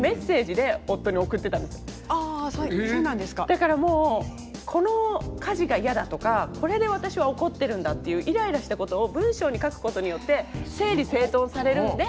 だからもうこの家事が嫌だとかこれで私は怒ってるんだっていうイライラしたことを文章に書くことによって整理整頓されるんで。